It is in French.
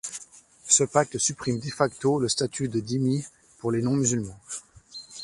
Ce pacte supprime de facto le statut de dhimmi pour les non-musulmans.